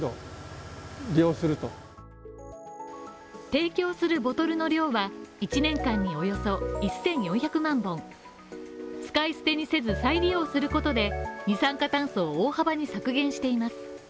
提供するボトルの量は、１年間におよそ１，４００万本、使い捨てにせず再利用することで二酸化炭素を大幅に削減しています。